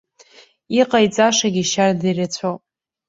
Иҟаиҵашагьы шьарда ирацәоуп.